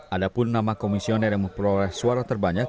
ada pun nama komisioner yang memperoleh suara terbanyak